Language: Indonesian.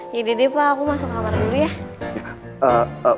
jadi deh pa aku masuk kamar dulu ya